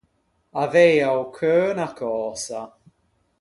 Avei a-o cheu unna cösa.